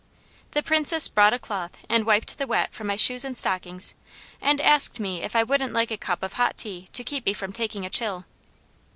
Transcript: The Princess brought a cloth and wiped the wet from my shoes and stockings, and asked me if I wouldn't like a cup of hot tea to keep me from taking a chill.